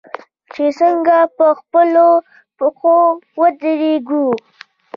چې څنګه په خپلو پښو ودریږو.